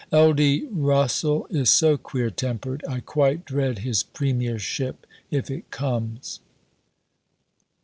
Ld. Russell is so queer tempered. I quite dread his Premiership, if it comes.